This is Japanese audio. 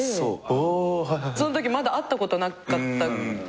そんときまだ会ったことなかったから。